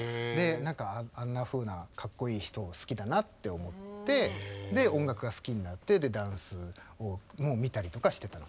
何かあんなふうなかっこいい人好きだなって思ってで音楽が好きになってダンスも見たりとかしてたの。